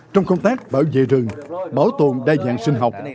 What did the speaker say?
trong công tác bảo vệ rừng bảo tồn đa dạng sinh học